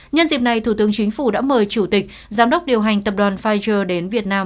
nhân dịp này thủ tướng chính phủ đã mời chủ tịch giám đốc điều hành tập đoàn pfizer đến việt nam